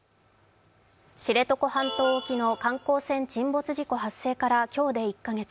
知床半島沖の観光船沈没事故から今日で１カ月。